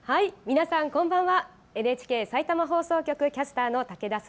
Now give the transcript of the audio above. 皆さん、こんばんは。